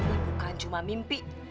ini bukan cuma mimpi